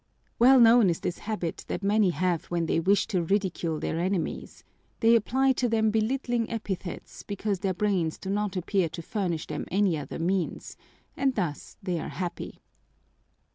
Well known is this habit that many have when they wish to ridicule their enemies; they apply to them belittling epithets because their brains do not appear to furnish them any other means, and thus they are happy.